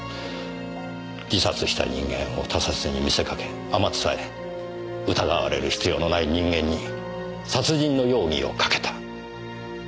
自殺した人間を他殺に見せかけあまつさえ疑われる必要のない人間に殺人の容疑をかけた。